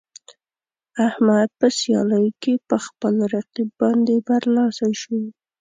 احمد په سیالۍ کې په خپل رقیب باندې برلاسی شو.